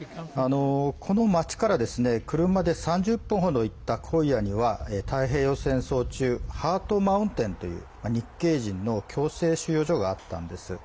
この町から車で３０分ほど行った荒野には、太平洋戦争中ハートマウンテンという日系人の強制収容所があったんです。